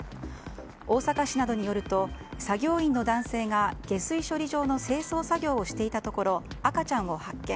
大阪市などによると作業員の男性が下水処理場の清掃作業をしていたところ赤ちゃんを発見。